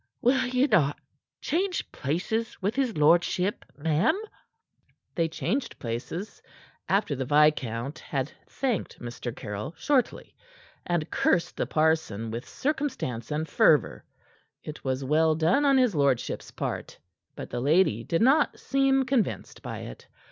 Will you not change places with his lordship, ma'am?" They changed places, after the viscount had thanked Mr. Caryll shortly and cursed the parson with circumstance and fervor. It was well done on his lordship's part, but the lady did not seem convinced by it.